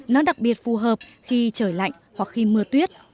nó đặc biệt phù hợp khi trời lạnh hoặc khi mưa tuyết